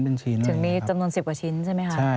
ถึงมีจำนวน๑๐กว่าชิ้นใช่ไหมคะ